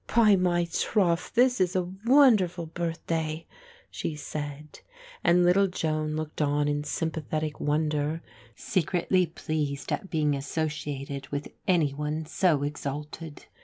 "By my troth this is a wonderful birthday," she said, and little Joan looked on in sympathetic wonder, secretly pleased at being associated with any one so exalted.